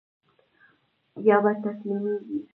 يا به تسليمېږي.